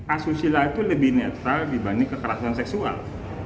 asusila itu lebih netral dibanding kekerasan seksual